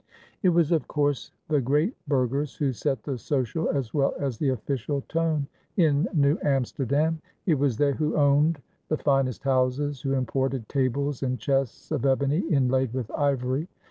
It was of course the "great burghers" who set the social as well as the official tone in New Amsterdam. It was they who owned the finest houses, who imported tables and chests of ebony inlaid with ivory.